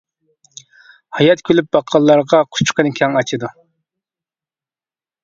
ھايات كۈلۈپ باققانلارغا قۇچىقىنى كەڭ ئاچىدۇ.